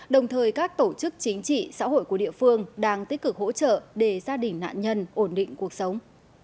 đồng thời các tổ chức chính trị xã hội của địa phương đang tích cực hỗ trợ để gia đình nạn nhân ổn định cuộc sống